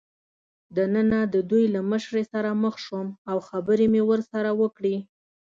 دننه د دوی له مشرې سره مخ شوم او خبرې مې ورسره وکړې.